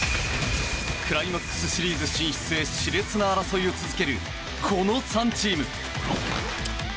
クライマックスシリーズ進出へし烈な争いを続けるこの３チーム。